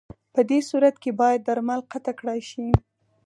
پدې صورت کې باید درمل قطع کړای شي.